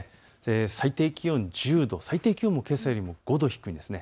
最低気温１０度、最低気温もきょうより５度低いです。